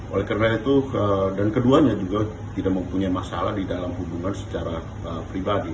oleh karena itu dan keduanya juga tidak mempunyai masalah di dalam hubungan secara pribadi